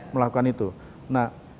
melakukan itu nah